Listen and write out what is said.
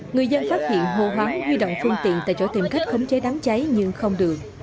người dân phát hiện hô hoáng huy động phương tiện tại chỗ tìm cách khống chế đám cháy nhưng không được